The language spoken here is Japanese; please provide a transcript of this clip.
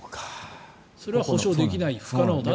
それは補償できない不可能だと。